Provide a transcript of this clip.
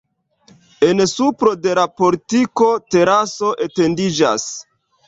En supro de la portiko teraso etendiĝas.